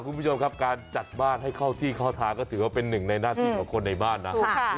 คุณผู้ชมครับการจัดบ้านให้เข้าที่เข้าทางก็ถือว่าเป็นหนึ่งในหน้าที่ของคนในบ้านนะ